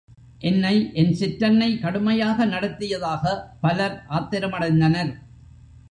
என்னை என் சிற்றன்னை கடுமையாக நடத்தியதாக பலர் ஆத்திரமடைந்தனர்.